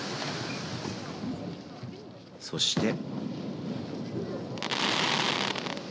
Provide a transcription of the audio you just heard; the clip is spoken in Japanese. そして。